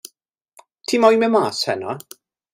Ti moyn mynd mas heno?